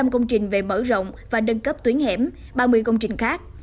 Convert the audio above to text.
tám mươi năm công trình về mở rộng và đâng cấp tuyến hẻm ba mươi công trình khác